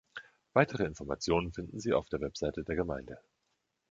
Weitere Informationen finden Sie auf der Website der Gemeinde.